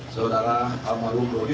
saudara kamar rumah dodi